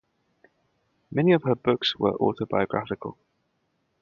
Many of her books were autobiographical.